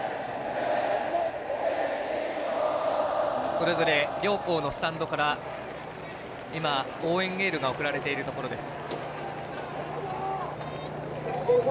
それぞれ両校のスタンドから今応援エールが送られているところです。